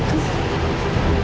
lama banget sih mereka